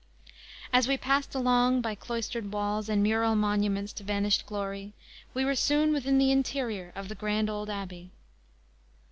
As we passed along by cloistered walls and mural monuments to vanished glory, we were soon within the interior of the grand old Abbey.